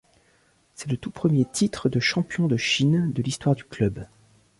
C'est le tout premier titre de champion de Chine de l'histoire du club.